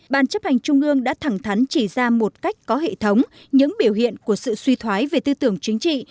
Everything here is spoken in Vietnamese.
ban chấp hành trung ương đã thẳng thắn chỉ ra một cách có hệ thống những biểu hiện của sự suy thoái về tư tưởng chính trị